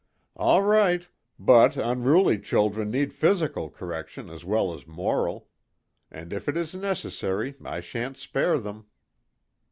"All right. But unruly children need physical correction as well as moral. And if it is necessary I shan't spare them."